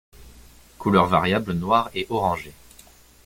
Couleur variable noire et orangée.